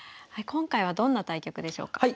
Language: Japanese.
今回はどんな対局でしょうか。